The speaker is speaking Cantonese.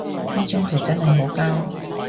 呢張圖真係好膠